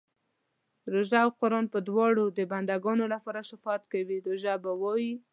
روژه او قران به دواړه د بنده لپاره شفاعت کوي، روژه به وايي